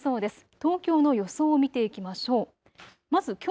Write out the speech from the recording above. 東京の予想を見ていきましょう。